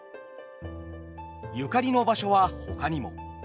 ゆかりの場所はほかにも。